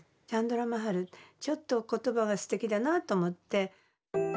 チャンドラ・マハルちょっと言葉がすてきだなと思って。